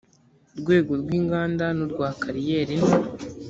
rwego rw inganda n urwa kariyeri nto